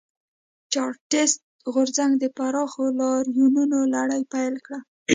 چارټېست غورځنګ د پراخو لاریونونو لړۍ پیل کړه.